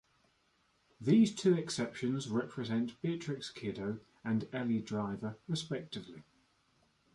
These two exceptions represent Beatrix Kiddo and Elle Driver, respectively.